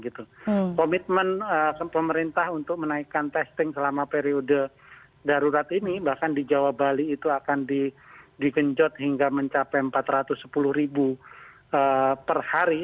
komitmen pemerintah untuk menaikkan testing selama periode darurat ini bahkan di jawa bali itu akan digenjot hingga mencapai empat ratus sepuluh ribu per hari